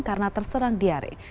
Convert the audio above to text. karena terserang diare